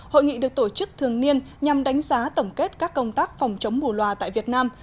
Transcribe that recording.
hội nghị được tổ chức thường niên nhằm đánh giá tổng kết các công tác phòng chống bù loà tại việt nam